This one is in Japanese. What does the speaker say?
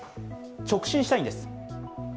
直進したいんです。